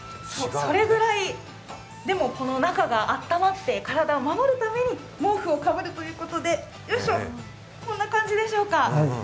それぐらい、でも中が温まって体を守るために毛布をかぶるということで、よいしょ、こんな感じでしょうか。